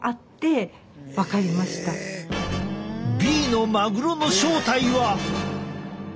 Ｂのマグロの正体は？